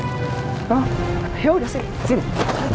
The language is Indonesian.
yaudah sini sini